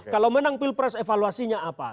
kalau menang pilpres evaluasinya apa